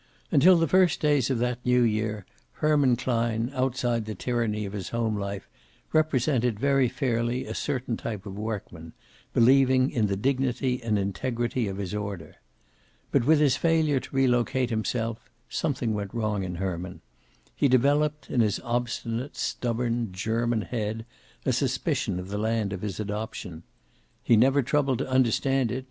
Until the first weeks of that New year, Herman Klein, outside the tyranny of his home life, represented very fairly a certain type of workman, believing in the dignity and integrity of his order. But, with his failure to relocate himself, something went wrong in Herman. He developed, in his obstinate, stubborn, German head a suspicion of the land of his adoption. He had never troubled to understand it.